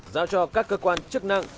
giao cho các cơ quan chức năng